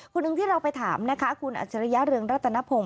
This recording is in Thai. คนหนึ่งที่เราไปถามนะคะคุณอัจฉริยะเรืองรัตนพงศ